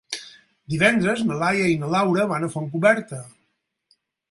Divendres na Laia i na Laura van a Fontcoberta.